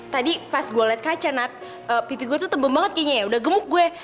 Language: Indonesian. tadi pas gue liat kaca nat pipi gue tuh tebem banget kayaknya ya udah gemuk gue